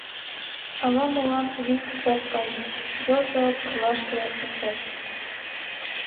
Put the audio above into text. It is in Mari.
Ала-молан вик ок кае — йолжо пурлашке шупшеш.